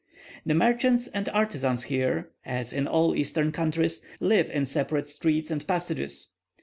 The merchants and artisans here, as in all eastern countries, live in separate streets and passages.